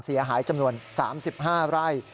เสียหายจำนวน๓๕ไร่